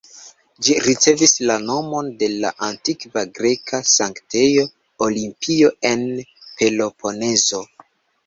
Ĝi ricevis la nomon de la antikva greka sanktejo Olimpio, en Peloponezo.